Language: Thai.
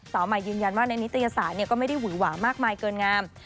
สาวใหม่ยืนยันว่าในนิตยสารก็ไม่ได้หวยหวามากมายเกินงาม